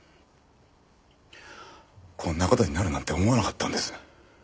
こんな事になるなんて思わなかったんです。